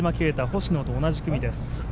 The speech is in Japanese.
星野と同じ組です。